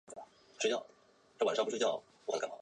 无法以佃农身分参加农保